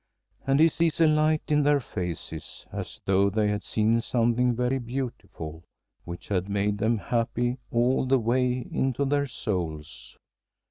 And he sees a light in their faces, as though they had seen something very beautiful, which had made them happy all the way into their souls.